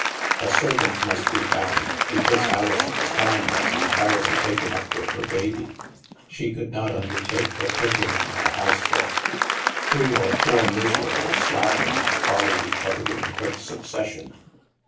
A serv ant must be found, because Alison's time was en tirely taken up with her baby. She could not under take the cooking and the housework. Three or four miserable slatterns followed each other in quick succession.